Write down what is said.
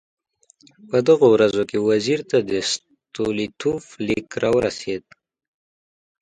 په دغو ورځو کې وزیر ته د ستولیتوف لیک راورسېد.